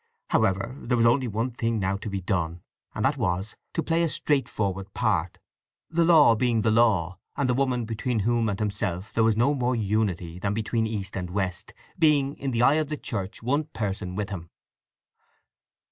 However, there was only one thing now to be done, and that was to play a straightforward part, the law being the law, and the woman between whom and himself there was no more unity than between east and west, being in the eye of the Church one person with him.